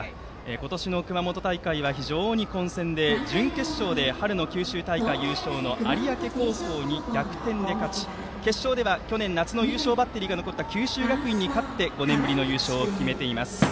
今年の熊本大会は非常に混戦で準決勝で春の九州大会優勝の有明高校に逆転で勝ち決勝では去年夏の優勝バッテリーが残って九州学院に勝って５年ぶりの優勝を決めています。